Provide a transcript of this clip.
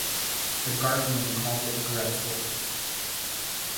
The "Guardian" called it "dreadful".